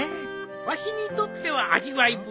わしにとっては味わい深いぞ。